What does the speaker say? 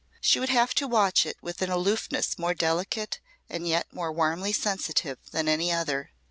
She would have to watch it with an aloofness more delicate and yet more warmly sensitive than any other.